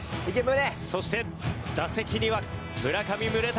そして打席には村上宗隆。